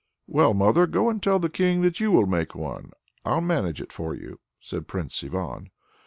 "Well, mother, go and tell the King that you will make one. I'll manage it for you," said Prince Ivan.